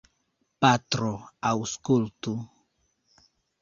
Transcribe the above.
Patro, aŭskultu!